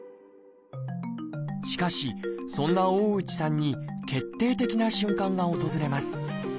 しかしそんな大内さんに決定的な瞬間が訪れます。